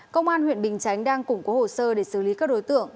công an huyện bình chánh đang củng cố hồ sơ để xử lý các đối tượng